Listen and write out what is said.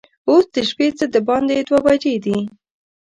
اوس د شپې څه باندې دوه بجې دي.